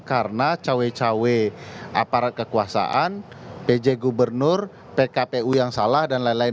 karena cawe cawe aparat kekuasaan pj gubernur pkpu yang salah dan lain lain